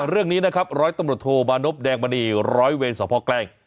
เรื่องนี้นะครับร้อยตำรวจโทมานพแดงมณีร้อยเวรสพแกลง